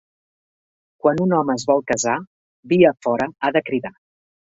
Quan un home es vol casar, via fora ha de cridar.